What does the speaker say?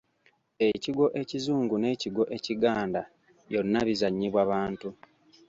Ekigwo ekizungu n'ekigwo ekiganda byonna bizannyibwa bantu.